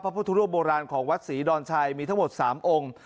พุทธรูปโบราณของวัดศรีดอนชัยมีทั้งหมด๓องค์